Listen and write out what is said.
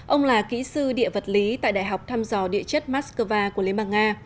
ông là kỹ sư địa vật lý tại đại học thăm dò địa chất moscow của lê mạc nga